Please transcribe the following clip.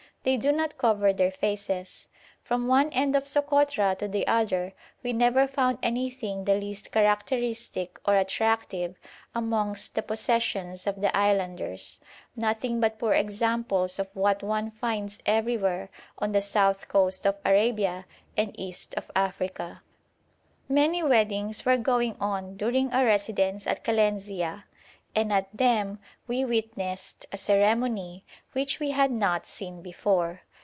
They do not cover their faces. From one end of Sokotra to the other we never found anything the least characteristic or attractive amongst the possessions of the islanders, nothing but poor examples of what one finds everywhere on the south coast of Arabia and east of Africa. Many weddings were going on during our residence at Kalenzia, and at them we witnessed a ceremony which we had not seen before.